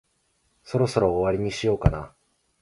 そろそろ終わりにしようかな。